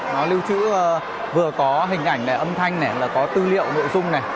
nó lưu trữ vừa có hình ảnh này âm thanh này có tư liệu nội dung này